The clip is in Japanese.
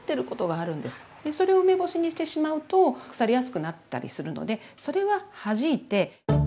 それを梅干しにしてしまうと腐りやすくなったりするのでそれははじいて。